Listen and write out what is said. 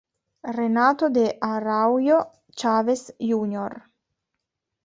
Renato de Araújo Chaves Júnior